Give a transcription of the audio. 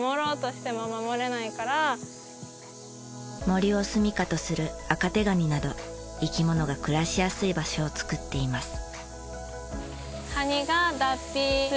森をすみかとするアカテガニなど生き物が暮らしやすい場所をつくっています。